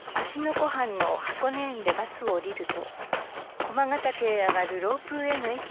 湖畔の箱根園でバスを降りると駒ヶ岳へ上がるロープウェーの駅があります。